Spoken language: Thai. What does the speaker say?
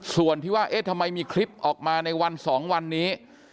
ส่วนที่ว่าเอ๊ะทำไมมีคลิปออกมาในวัน๒วันนี้